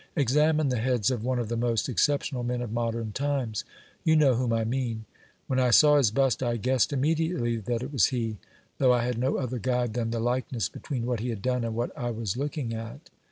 Examine the heads of one of the most exceptional men of modern times. You know whom I mean ; when I saw his bust I guessed imme diately that it was he, though I had no other guide than the likeness between what he had done and what I was look ing at.